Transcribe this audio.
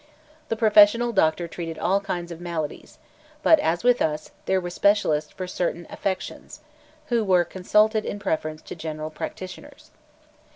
The professional doctor treated all kinds of maladies, but, as with us, there were specialists for certain affections, who were consulted in preference to general practitioners.